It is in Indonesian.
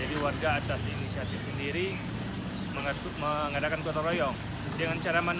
inisiatif sendiri mengadakan kotor royong